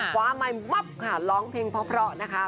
ความใหม่มับค่ะร้องเพลงเพราะนะคะ